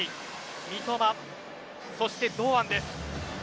三笘、そして堂安です。